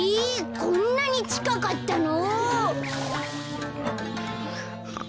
こんなにちかかったの？